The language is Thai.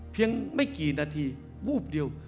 ไม่กี่นาทีวูบเดียว